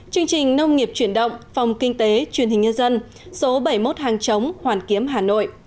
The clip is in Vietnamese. chương trình nông nghiệp chuyển động phòng kinh tế truyền hình nhân dân số bảy mươi một hàng chống hoàn kiếm hà nội